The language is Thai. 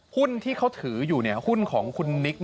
หุ้นที่เขาถืออยู่หุ้นของคุณนิก